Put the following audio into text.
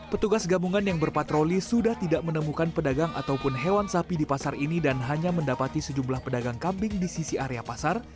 petugas gabungan yang berpatroli sudah tidak menemukan pedagang ataupun hewan sapi di pasar ini dan hanya mendapati sejumlah pedagang kambing di sisi area pasar